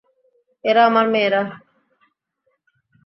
এরা আমার মেয়েরা।